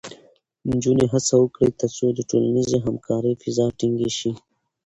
نجونې هڅه وکړي، ترڅو د ټولنیزې همکارۍ فضا ټینګې شي.